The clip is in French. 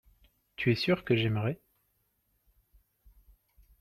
tu es sûr que j'aimerais.